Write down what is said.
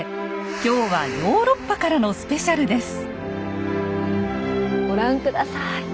今日はヨーロッパからのスペシャルです。